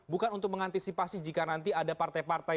bukan untuk mengantisipasi jika nanti ada partai partai